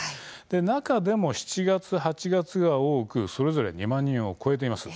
中でも７月８月が多くそれぞれ２万人を超えています。